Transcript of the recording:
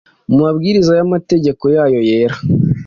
Mu mabwiriza y’amategeko yayo yera,